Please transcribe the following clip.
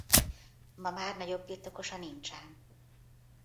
Ma már nagyobb birtokosa nincsen.